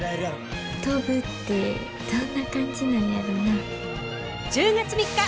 飛ぶってどんな感じなんやろな。